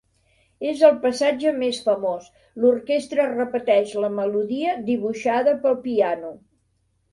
És el passatge més famós, l'orquestra repeteix la melodia dibuixada pel piano.